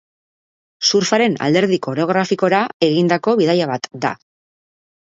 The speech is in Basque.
Surfaren alderdi koreografikora egindako bidaia bat da.